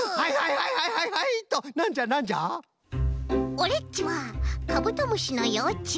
オレっちはカブトムシのようちゅう。